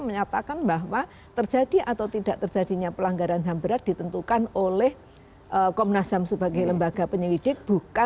menyatakan bahwa terjadi atau tidak terjadinya pelanggaran ham berat ditentukan oleh komnas ham sebagai lembaga penyelidik